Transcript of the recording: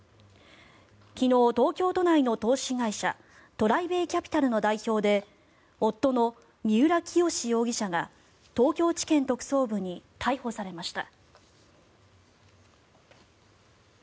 昨日、東京都内の投資会社ＴＲＩＢＡＹＣＡＰＩＴＡＬの代表で夫の三浦清志容疑者が東京地検特捜部に逮捕されました。